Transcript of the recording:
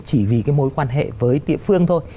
chỉ vì cái mối quan hệ với địa phương thôi